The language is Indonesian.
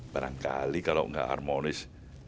barangkali kalau nggak harmonis